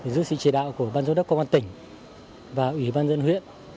dưới sự chỉ đạo của ban giáo đốc công an tỉnh và ủy ban dân huyện